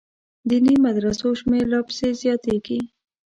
دیني مدرسو شمېر لا پسې زیاتېږي.